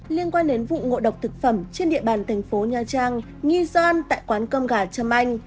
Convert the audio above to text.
liên quan đến vụ ngộ độc thực phẩm trên địa bàn thành phố nha trang nghi doan tại quán cơm gà trâm anh